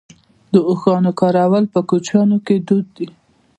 د اوښانو کارول په کوچیانو کې دود دی.